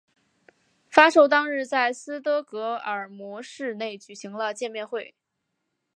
发售当日在斯德哥尔摩市内举行了见面会。